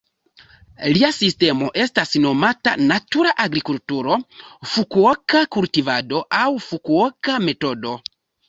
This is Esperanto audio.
Lia sistemo estas nomata "natura agrikulturo", "Fukuoka-kultivado" aŭ "Fukuoka-Metodo".